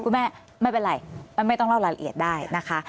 ไม่เป็นไรไม่ต้องเล่ารายละเอียดได้นะคะ